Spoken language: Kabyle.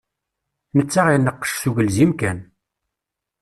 Netta ineqqec s ugelzim kan.